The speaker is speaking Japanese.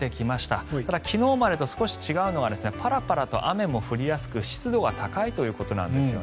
ただ、昨日までと少し違うのはパラパラと雨も降りやすく湿度が高いということなんです。